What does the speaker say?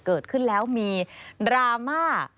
เกิดขึ้นแล้วมีดราม่า